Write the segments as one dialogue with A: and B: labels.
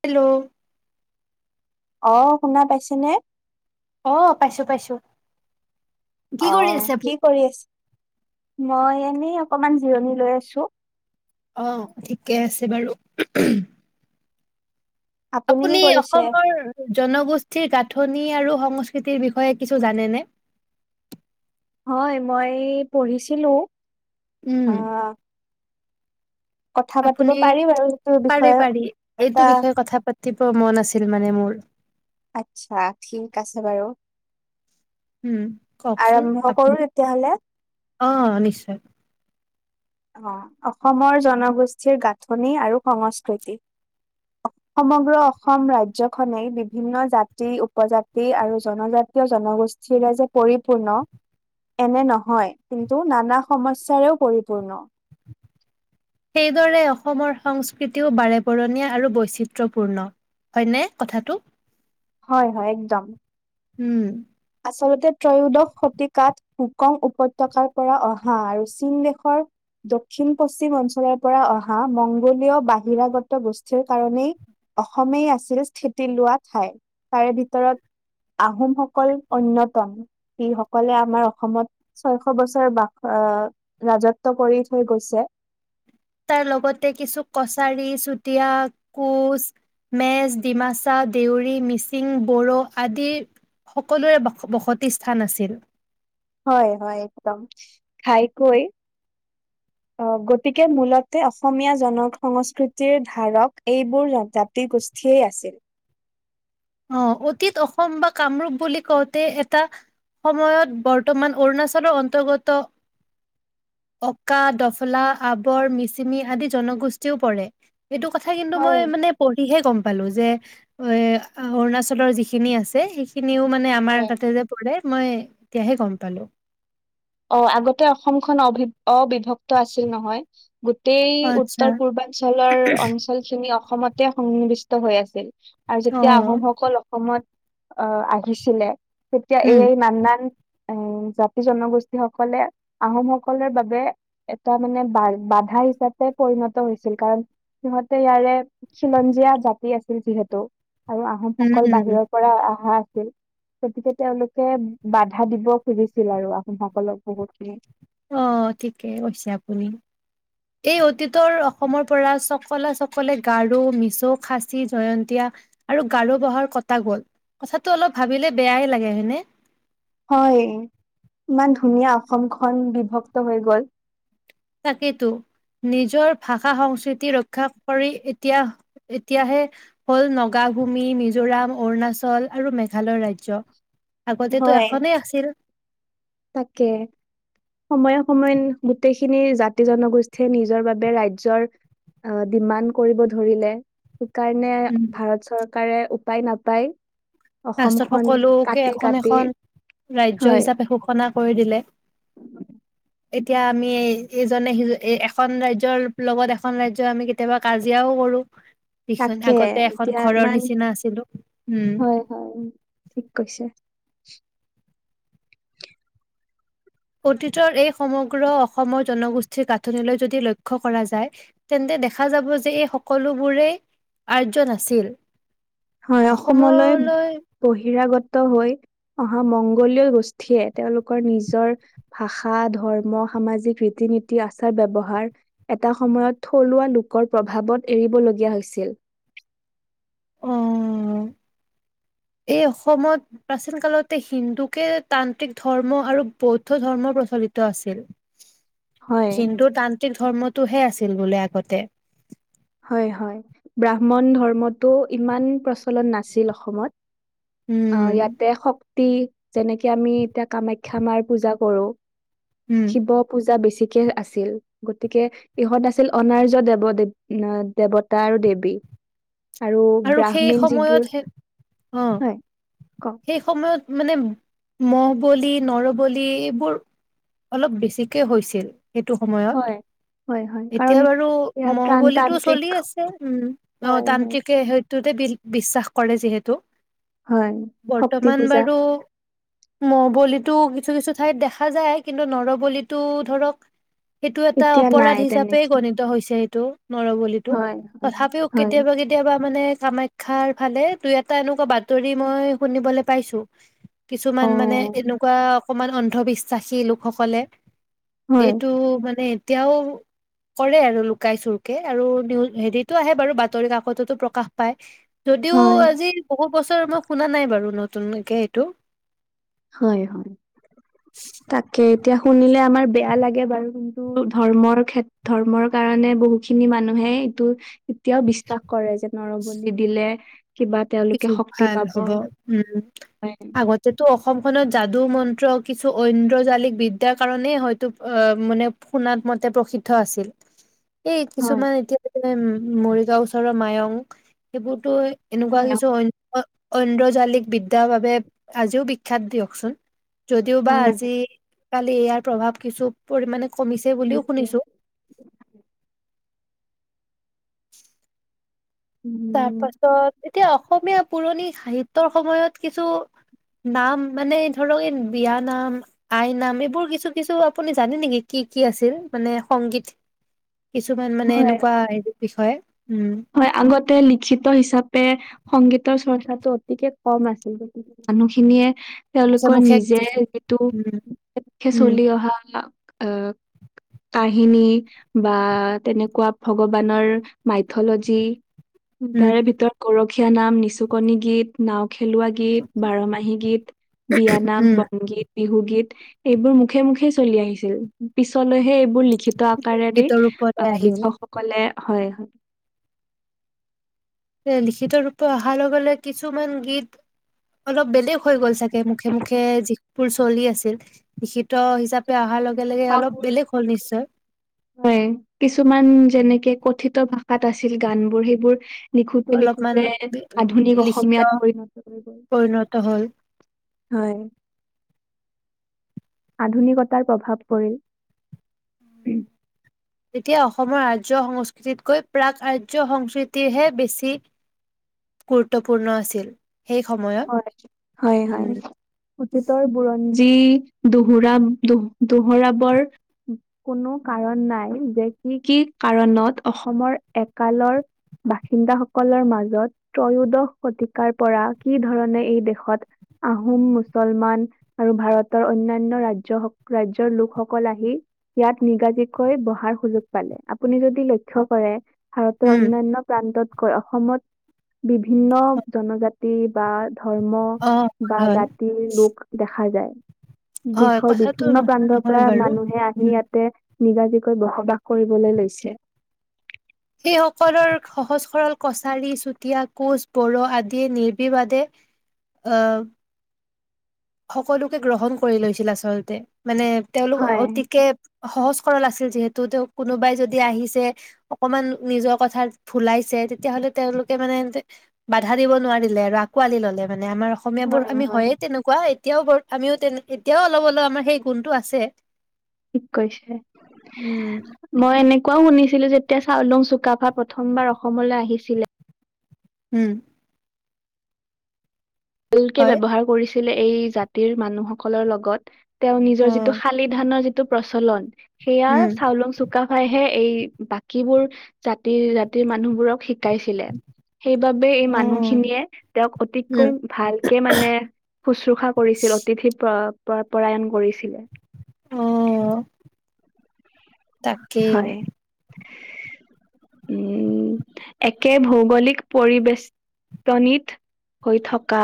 A: Hello.
B: অ' শুনা পাইছেনে।
A: অ 'পাইছো পাইছো। কি কৰি
B: আহ,
A: আছে আপুনি
B: কি কৰি আছে। মই এনেই অকমান জিৰণি লৈ আছো।
A: অ' ঠিকে আছে বাৰু।
B: কি
A: আপুনি
B: কৰিছে?
A: অসমৰ জনগোষ্ঠীৰ গাঁথনি আৰু। সংস্কৃতিৰ বিষয়ে কিছু জানেনে।
B: হয় মই পঢ়িছিলো।
A: উম।
B: অহ কথা পাতিব
A: আপুনি।
B: পাৰি বাৰু সেইটোৰ
A: পাৰি
B: বিষয়ে
A: পাৰি,
B: এটা
A: এইটো বিষয়ে কথা পাতিব মন আছিল মানে মোৰ।
B: আচ্ছা। ঠিক আছে বাৰু।
A: উম কওকচোন
B: আৰম্ভ কৰো
A: আপুনি।
B: তেতিয়াহ'লে।
A: আহ নিশ্চয়
B: অ, অসমৰ জনগোষ্ঠীৰ গাঁথনি আৰু সংস্কৃতি। সমগ্ৰ অসম ৰাজ্যখনেই বিভিন্ন জাতি উপজাতি আৰু জনজাতীয় জনগোষ্ঠীৰে যে পৰিপূৰ্ণ এনে নহয়। কিন্তু নানা সমস্যাৰেও পৰিপূ পূৰ্ণ।
A: সেইদৰে অসমৰ সংস্কৃতিও বাৰেপৰণীয়া আৰু বৈচিত্ৰ্যপূৰ্ণ। হয়নে কথাটো?
B: হয় হয় একদম।
A: উম।
B: আচলতে ত্ৰয়োদশ শতিকাত, হুকং উপত্যয়কাৰ পৰা অহা আৰু চীন দেশৰ, দক্ষিণ পশ্চিম অঞ্চলৰ পৰা অহা মংগোলীয় বাহিৰাগত গোষ্ঠীৰ কাৰণেই, অসমেই আছিল স্থিতি লোৱা ঠাই। তাৰে ভিতৰত আহোমসকল অন্যতম। জিসকলে আমাৰ অসমত, ছয়শ বছৰ বাস আহ ৰাজত্ব কৰি থৈ গৈছে
A: তাৰ লগতে কিছু কছাৰী, চুতীয়া, কোঁচ, মেজ ডিমাচা, দেউৰী, মিচিং, বড়ো আদিৰ সকলোৰে বসতি স্থান আছিল।
B: হয, হয়। একদম, ঘাইকৈ, গতিকে মূলতে অসমীয়া জনসংস্কৃতিৰ ধাৰক, এইবোৰ জাতিগোষ্ঠীয়েই আছিল।
A: আহ। অতীত অসম বা কামৰূপ বুলি কওঁতে এটা সময়ত বৰ্তমান অৰুণাচলৰ অন্তৰ্গত, অকা, দফলা, আৱৰ, মিচিমি, আদি জনগোষ্ঠীও পৰে। এইটো কথা কিন্তু
B: হয়
A: মই মানে পঢ়িহে গ'ম পালো যে, অয় অৰুণাচলৰ যিখিনি আছে। সেইখ খিনিও মানে আমাৰ
B: হয়
A: তাতে যে পৰে মই এতিয়াহে গম পালোঁ।
B: অহ, আগতে অসমখন অভি অবিভক্ত আছিল নহয়। গোটেই
A: আচ্ছা,
B: উত্তৰ পূৰ্বাঞ্চলৰ অঞ্চল খিনি অসমত তেতিয়া সন্নিৱিষ্ট হৈ আছিল। আৰু
A: অ',
B: যেতিয়া আহোমসকল অসমত আহ, আহিছিলে তেতিয়া
A: উম।
B: এই নানান উম, জাতি জনগোষ্ঠী যিসকলে আহোমসকলৰ বাবে এটা মানে বা বাধা হিচাপে পৰিণত হৈছিল। কাৰণ সিহঁতে ইয়াৰে খিলঞ্জীয়া জাতি আছিল যিহেতু। আৰু
A: উম,
B: আহোমসকল
A: উম,
B: বাহিৰৰ পৰা আহা গতিকে তেওঁলোকে বাধা দিব খুজিছিল আৰু আহোম সক উপলব্ধ হৈছিল
A: অ, ঠিকেই কৈছে আপুনি। এই অতীতৰ অসমৰ পৰা চকলা চকলে গাৰু, মিছৌ, খাচী, জয়ন্তীয়া আৰু গাৰু বহাৰ কটা গল। কথাটো অলপ ভাবিলে বেয়াই লাগে হয়নে?
B: হয় ইমান ধুনীয়া অসমখন বিভক্ত হৈ গল।
A: তাকেইতো। নিজৰ ভাষা সংস্কৃতি ৰক্ষা কৰি এতিয়া এতিয়াহে হল নগাভূমি, মিজোৰাম, অৰুণাচল আৰু মেঘালয় ৰাজ্য। আগতেটো
B: হয়
A: এখনেই আছিল।
B: তাকে। সময়ে সময়ে গোটেইখিনি খিনিৰ জাতি জনগোষ্ঠীয়ে নিজৰ বাবে ৰাজ্যৰ ডিমাণ্ড কৰিব ধৰিলে। সেইকাৰণে
A: উম,
B: ভাৰত চৰকাৰ কাৰে উপায় নাপায়
A: ৰাষ্ট্ৰক
B: অসমখন
A: সকলোকে
B: কাটি
A: এখন
B: কাটি
A: এখন ৰাজ্য
B: হয়
A: হিচাপে ঘোষণা। কৰি দিলে। এতিয়া আমি ইজনে সি এখন ৰাজ্যৰ লগত এখন ৰাজ্যই আমি কেতিয়াবা কাজিয়াও কৰো। সিখন
B: তাকে
A: আগতে এখন
B: এতিয়া
A: ঘৰৰ
B: ইমান
A: নিচিনা আছিলো। উ'ম।
B: হয় হয় ঠিক কৈছে।
A: অতীতৰ এই সমগ্ৰ অসমৰ জনগোষ্ঠীৰ গাঁথনিলৈ যদি লক্ষ্য কৰা যায় তেন্তে দেখা যাব যে এই সকলোবোৰেই আৰ্য নাছিল।
B: হয় অসমলৈ বহিৰাগত হৈ। অহা মংগোলীয় গোষ্ঠীয়ে তেওঁলোকৰ নিজৰ ভাষা, ধৰ্ম, সামাজিক ৰীতি নীতি, আচাৰ ব্যৱহাৰ এটা সময়ত থলুৱা লোকৰ প্ৰভাৱত এৰিবলগীয়া হৈছিল।
A: অ'। এই অসমত প্ৰাচীন কালতে হিন্দুকে তান্ত্ৰিক ধৰ্ম আৰু বৌদ্ধ ধৰ্ম প্ৰচলিত আছিল।
B: হয়
A: হিন্দু তান্ত্ৰিক ধৰ্মতটোহে আছে। আছিল বোলে আগতে।
B: হয়, হয় ব্ৰাহ্মণ ধৰ্মটো ইমান প্ৰ। ফলন নাছিল অসমত
A: উম
B: ইয়াতে। ইতি যেনেকে আমি এতিয়া কামাখ্যা মাৰ পূজা কৰো।
A: উম
B: শিৱ পূজা বেছি। বেছি কে আছিল গতিকে ইহঁত আছিল অনাৰ্য দেৱ- দেৱী। ন দেৱতা আৰু দেৱী।
A: আৰু সেই
B: ব্ৰাহ্মীণ
A: সময়ত
B: যিবোৰ
A: সেই অ'
B: হয় কওক
A: সেই সময়ত। মানে মহ বলি নৰবলি এইবোৰ অলপ বেছিকে হৈছিল। সেইটো সময়ত
B: হয় হয় হয় কাৰণ
A: এতিয়া বাৰু
B: ইয়াত ত্ৰাণ
A: মহবলীটো
B: তান্ত্ৰিক
A: চলি আছে উ'ম অ'
B: হয় হয়
A: তান্ত্ৰিক সেইটোতে বিশ্বাস কৰে যিহেতু।
B: হয় শক্তি পূজা।
A: মহবলিতো কিছু কিছু ঠাইত দেখা যায় কিন্তু নৰবলিটো ধৰক সেইটো এটা
B: এতিয়া
A: অপৰাধ
B: নাই
A: হিচাপে
B: তেনেকে
A: গণিত হৈছে। ত' নৰবলিটো
B: হয় হয়
A: তথাপিও
B: হয়
A: কেতিয়াবা কে মানে কামাখ্যাৰ ফালে তই এটা এনেকুৱা বাতৰি মই শুনিবলৈ পাইছো। কিছুমান
B: অ
A: মানে এনেকুৱা অকমান অন্ধবিশ্বাসী লোকসকলে।
B: হয়
A: এইটো মানে এতিয়াও কৰে আৰু লুকাই চুৰকে আৰু নিউজ হেৰিটো আহে বাৰু বাতৰি কাকত কতটো প্ৰকাশ পায়। যদিও
B: হয়
A: আজি বহুত বছৰ মই শুনা নাই বাৰু নতুনকে এইটো।
B: হয়, হয় তাকে এতিয়া শুনিলে আমাৰ বেয়া লাগে। বাৰু কিন্তু ধৰ্মৰ কেত ধৰ্মৰ কাৰণে বহুখিনি মানুহে এইটো এতিয়াও বিশ্বাস কৰে যে নৰবলি দিলে। কিবা তেওঁলোকে
A: কিছু
B: শক্তি
A: ভাল
B: পাব
A: হ'ব উম
B: হয়
A: আগতেতো অসমখনত যাদু মন্ত্ৰ কিছু ঐন্দ্য জালিক বিদ্যাৰ কাৰণেই হয়তো আহ মানে সোণাত মতে প্ৰসিদ্ধ আছিল। এই
B: হয়
A: কিছুমান এতিয়া উ মৰিগাঁও ওচৰৰ মায়ং সেইবোৰতো
B: হয় হয়।
A: অন্দ্ৰ জালিক বিদ্যাৰ বাবে আজিও বিখ্যাত দিয়কচোন। যদিওবা
B: হয়
A: আজি কালি ইয়াৰ প্ৰভাৱ কিছু পৰিমাণে। কমিছে বুলিও
B: নিশ্চয়
A: শুনিছো। [inaudible]
B: উম
A: তাৰপাছত এতিয়া অসমীয়া পুৰণি সাহিত্যৰ সময়ত কিছু নাম মানে ধৰক এই বিয় নাম, আই নাম এইবোৰ কিছু কিছু আপুনি জানে নেকি কি কি আছিল মানে সংগীত। কিছুমান মানে
B: হয়
A: এনেকুৱা হেৰি বিষয়ে। উম
B: হয়, আগত তে লিখিত হিচাপে সংগীতৰ চৰ্চাটো অতিকে কম আছিল গতিকে মানুহখিনিয়ে তেওঁলোকৰ
A: মুখে
B: নিজে
A: মুখে
B: যিটো
A: উম উম
B: চলি অহা অহ, কাহিনী বা তেনেকুৱা ভগৱানৰ মাই থ'ল'জি
A: উম
B: তাৰে ভিতৰত গৌৰৱ খীয়া নাম, নিচুকণী গীত নাও খেলুৱা গীত, বাৰমাহী গীত, বিয়ানাম,
A: উম,
B: বনগীত, বিহুগীত। এইবোৰ মুখে মুখে চলি আহিছিল, পিছলৈহে এইবোৰ লি খিত আকাৰেদি,
A: লিখিত ৰূপতে
B: অ',
A: আহিল।
B: লিখকসকলে হয়। হয়।
A: এ লিখিত ৰূপে অহাৰ লগে লগে কিছুমান গীত, অলপ বেলেগ হৈ গ'ল চাগে, মুখে মুখে যিবোৰ চলি আছিল লিখিত হিচাপে অহাৰ লগে লগে অলপ বেলেগ হ'ল নিশ্চয়।
B: হয়, কিছুমান যেনেকে কত ভাষাত আছিল গান বোৰ সেইবোৰ লিখোতে
A: অলপমান
B: লিখোতে আধুনিক
A: লিখিত
B: অসমীয়াত পৰিণত কৰিব।
A: পৰিণত হ'ল।
B: হয়। আধুনিকতাৰ প্ৰভাৱ পৰিল।
A: উম [inaudible] তেতিয়া অসমৰ আৰ্য সংস্কৃতিতকৈ প্ৰাক আৰ্য সংস্কৃতিৰহে বেছি গুৰুত্বপূৰ্ণ আছিল। সেই সময়ত।
B: হয়, হয়, হয়
A: উম,
B: অতীতৰ বুৰঞ্জী যি, দোহোৰা দোহ দোহোৰাবৰ, কোনো কাৰণ নাই যে কি কি কাৰণত অসমৰ একালৰ বাসিন্দাসকলৰ মাজত ত্ৰয়োদশ শতিকাৰ পৰা কি ধৰণে এই দেশত আহোম, মুছলমান আৰু ভাৰতৰ অন্যান্য ৰাজ্য ৰাজ্যৰ লোকসকল আহি ইয়াত নিগাজিকৈ বহাৰ সুযোগ পালে আপুনি যদি লক্ষ্য কৰে ভাৰতৰ
A: উম,
B: অন্যান্য প্ৰান্তত কয় অসমত বিভিন্ন জনজাতি তি বা ধৰ্ম
A: অ', হয়,
B: বা
A: হয়
B: জাতিৰ লোক দেখা যায়।
A: হয়
B: দেশৰ
A: কথাটো
B: বিভিন্ন
A: নোহোৱা
B: প্ৰান্তৰ
A: নহয়
B: পৰা
A: বাৰু।
B: মানুহে আহি
A: উম।
B: ইয়াতে নিগাজিকৈ বসবাস কৰিবলৈ লৈছে।
A: সেই সকলৰ সহজ সৰল কছাৰী, চুতীয়া, কোচ, বড়ো আদিয়ে নিৰ্বিবাদে অ' সকলোকে গ্ৰহণ কৰি লৈছিল আচলতে। মানে, তেওঁলোক
B: হয়,
A: অতিকে সহজ সৰল আছিল। যিহেতু তেওঁ কোনোবাই যদি আহিছে অকমান নিজৰ কথাত ভুলাইছে তেতিয়াহলে তেওঁলোকে মানে বাধা দিব নোৱাৰিলে আৰু আকোৱালি ললে। মানে আমাৰ অসমীয়া বোৰ
B: হয়,
A: আমি
B: হয়,
A: হয়ে তেনেকুৱা। কোৱা এতিয়াও ব আমিও তেনে এতিয়াও অলপ অলপ আমাৰ সেই গুণটো আছে।
B: ঠিক কৈছে,
A: উম
B: মই এনে কোৱা শুনিছিলো যেতিয়া চাউলুং চুকাফা প্ৰথমবাৰ অসমলৈ আহিছিলে।
A: উম।
B: ভালকে
A: হয়
B: ব্যৱহাৰ কৰিছে। আছিলে। এই জাতিৰ মানুহ সকলৰ লগত তেওঁ
A: অ
B: নিজৰ যিটো, শালি ধানৰ যিটো- টো প্ৰচলন। সেয়া
A: উম
B: চাউলুং চুকাফাইহে। এই বাকীবোৰ জাতি, জাতিৰ মানুহবোৰক শ- শিকাইছিলে। সেইবাবে এই
A: অ
B: মানুহ খিনিয়ে তেওঁক অতিত
A: উম
B: কৈ- ভালকে মানে, শুশ্ৰষা কৰিছিল। অতিথিক পৰায়ণ কৰিছিলে।
A: অঁ। তাকে।
B: হয় উম, একে ভৌগলিক পৰিবেষ্টনিত হৈ থকা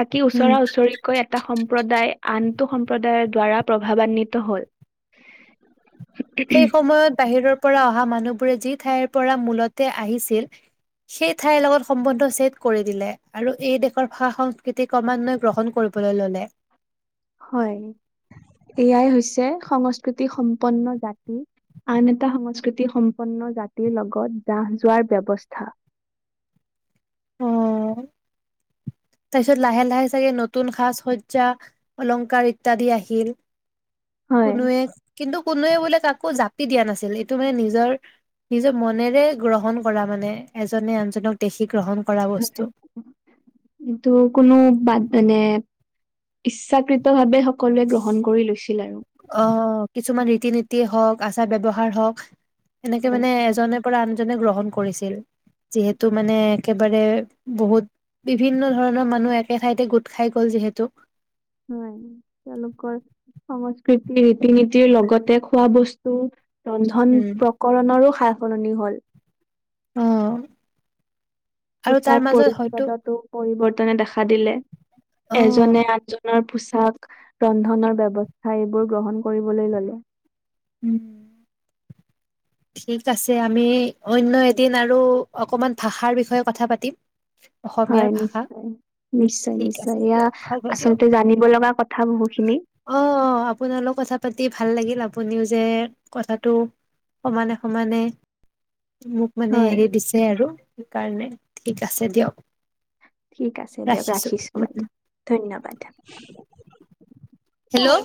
B: থাকিও
A: উম,
B: ওচৰা, ওচৰিকৈ এটা সম্প্ৰদায়, আনটো সম্প্ৰদায়ৰ দ্বাৰা- প্ৰভাৱান্বিত হ'ল।
A: সেই সময়ত- বাহিৰৰ পৰা অহা মানুহবোৰে যি ঠাইৰ পৰা মূলতে আহিছিল, সেই ঠাইৰ লগত সম্বন্ধ ছেদ কৰি দিলে, আৰু এই দেশৰ ভাষা- সংস্কৃতি ক্ৰমান্বয়ে গ্ৰহণ কৰিবলৈ ল'লে।
B: হয়। এয়াই হৈছে সংস্কৃতি সম্পন্ন জাতি আন এটা সংস্কৃতিসম্পন্ন জাতিৰ লগত জাহ, যোৱাৰ ব্যৱস্থা।
A: অহ ', তাৰপিছত লাহে- লাহে চাগে নতুন সাজ, সজ্জা অলংকাৰ ইত্যাদি আহিল।
B: হয়।
A: কোনোৱে কিন্তু, কোনোৱে বোলে কাকো একো জাপি দিয়া নাছিল। এইটো মানে নিজৰ- নিজৰ মনেৰে গ্ৰহণ কৰা মানে এজনে আনজনক দেখি গ্ৰহণ কৰা
B: হয়।
A: বস্তু।
B: কিন্তু, কোনো বাদ মানে ইচ্ছাকৃত ভাৱে। সকলোৱে গ্ৰহণ কৰি লৈছিল আৰু।
A: অহ ', কিছুমান ৰীতি নীতিয়ে হওক আচাৰ ব্যয়ৱহাৰ হওক। এনেকে মানে,
B: হয়।
A: এজনে পৰা আনজনে গ্ৰহণ কৰিছিল। যিহেতু মানে একবাৰে বহুত বিভিন্ন ধৰণৰ মানুহ একে ঠাইতে গোট খাই গ'ল, যিহেতু।
B: হয়। তেওঁলোকৰ সংস্কৃতি, ৰীতি নীতিৰ লগতে খোৱা বস্তু ৰন্ধন,
A: উম
B: প্ৰকৰণৰো সা সলনি হল।
A: অহ',
B: পোচাক [unintelligible] পৰিৱৰ্তন নে দেখা দিলে
A: অ
B: এজনে আনজনৰ পোচাক ৰন্ধনৰ ব্যৱস্থা এইবোৰ গ্ৰহণ কৰিবলৈ ললে।
A: উম, ঠিক আছে আমি অন্য এদিন আৰু অকমান ভাষাৰ বিষয়ে কথা পাতিম। অসমীয়াৰ
B: হয়
A: ভাষা
B: নিশ্চয়- নিশ্চয়
A: ঠিক
B: নিশ্চয়
A: আছে
B: এয়া
A: দিয়ক হ'ব দিয়ক
B: আচলতে জানিব লগা কথা বহুখিনি।
A: অ অ', আপোনাৰ লগত কথা পাতি ভাল লাগিল আপুনিও যে কথাটো সমানে - সমানে মোক মানে
B: হয়
A: হেৰি দিছে আৰু সেইকাৰণে। ঠিক আছে দিয়ক।
B: ঠিক আছে দিয়ক ৰাখিছো
A: উম উম
B: বাইদেউ ধন্যবাদ।
A: হেল্ল',